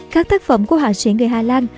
các tác phẩm của họa sĩ người hà lan